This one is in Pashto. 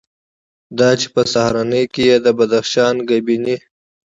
دا چې په سهارنۍ کې یې د بدخشان ګبیني،